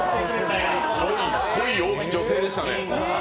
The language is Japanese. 恋多き女性でしたね。